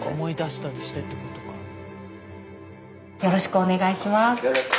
よろしくお願いします。